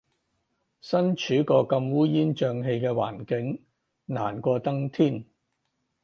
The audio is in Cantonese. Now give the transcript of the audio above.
身處個咁烏煙瘴氣嘅環境，難過登天